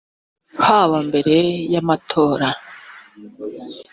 haba mbere y amatora